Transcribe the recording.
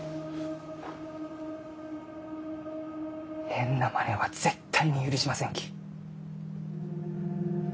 変なマネは絶対に許しませんき。